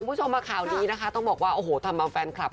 คุณผู้ชมมาข่าวนี้นะคะต้องบอกว่าโอ้โหทำเอาแฟนคลับ